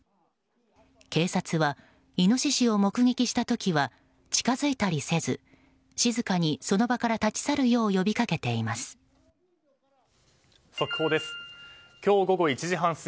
警察はイノシシを目撃した時は近づいたりせず静かにその場から立ち去るよう呼びかけています。